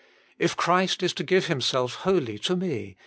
If Christ is to give Himself wholly to me.